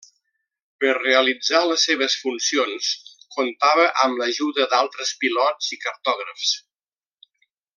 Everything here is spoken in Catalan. Per realitzar les seves funcions comptava amb ajuda d'altres pilots i cartògrafs.